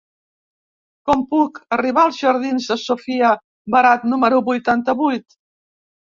Com puc arribar als jardins de Sofia Barat número vuitanta-vuit?